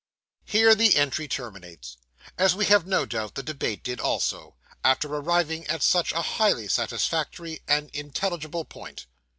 Here the entry terminates, as we have no doubt the debate did also, after arriving at such a highly satisfactory and intelligible point.